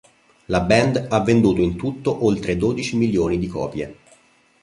La band ha venduto in tutto oltre dodici milioni di copie.